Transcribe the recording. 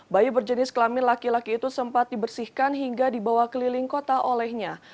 bayi berjenis kelamin laki laki itu sempat dibersihkan hingga dibawa keliling kota olehnya